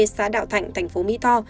xã đạo thạnh thành phố mỹ tho